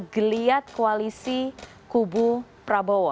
geliat koalisi kubu prabowo